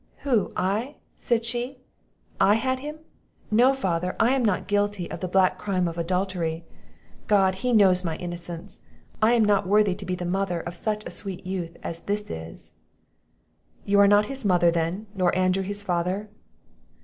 "Who, I?" said she; "I had him! No, father, I am not guilty of the black crime of adultery; God, He knows my innocence; I am not worthy to be the mother of such a sweet youth as that is." "You are not his mother, then, nor Andrew his father?"